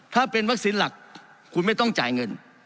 ถ้าเป็นวัคซีนหลักคุณไม่ต้องจ่ายเงิน